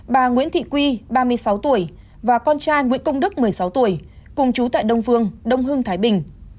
bà nguyễn thị quy ba mươi sáu tuổi và con trai nguyễn công đức một mươi sáu tuổi cùng chú tại đông phương đông hưng thái bình